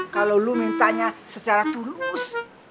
kalo lu mintanya secara tulus